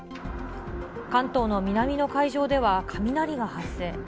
関東の南の海上では雷が発生。